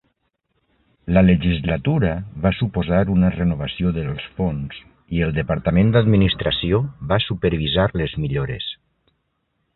La legislatura va suposar una renovació dels fons i el departament d'administració va supervisar les millores.